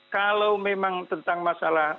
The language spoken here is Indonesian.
kalau memang tentang masalah